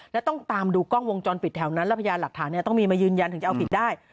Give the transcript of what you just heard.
แล้วต้องตามดูกล้องวงจรปิดแถวนั้นแล้วพยานหลักฐานต้องมีมายืนยันถึงจะเอาผิดได้